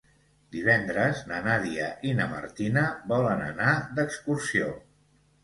Divendres na Nàdia i na Martina volen anar d'excursió.